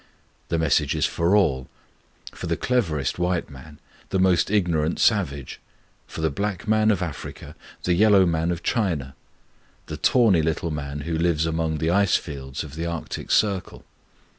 The message is for all; for the cleverest white man, the most ignorant savage; for the black man of Africa, the yellow man of China, the tawny little man who lives among the icefields of the Arctic Circle.